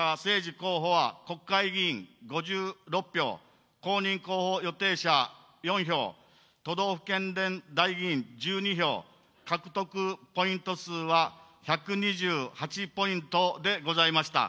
候補は国会議員５６票、公認候補予定者４票、都道府県連代議員１２票、獲得ポイント数は１２８ポイントでございました。